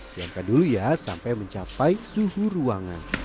diangkat dulu ya sampai mencapai suhu ruangan